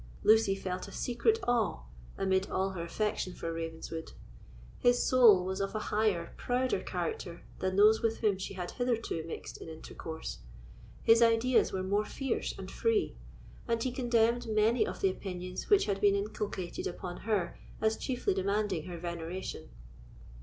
Lucy felt a secret awe, amid all her affection for Ravenswood. His soul was of an higher, prouder character than those with whom she had hitherto mixed in intercourse; his ideas were more fierce and free; and he contemned many of the opinions which had been inculcated upon her as chiefly demanding her veneration.